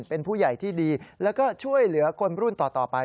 เป็นผู้ใหญ่ที่ดีแล้วก็ช่วยเหลือคนรุ่นต่อไป